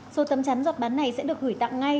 số tấm chắn giọt bán này sẽ được gửi tặng ngay